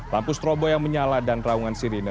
lampu strobo yang menyala dan raungan sirine